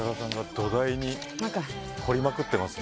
土台に凝りまくってますね。